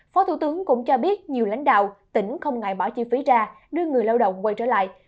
phó thủ tướng cũng cho biết nhiều lãnh đạo tỉnh không ngại bỏ chi phí ra đưa người lao động quay trở lại